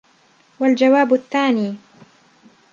وَالْجَوَابُ الثَّانِي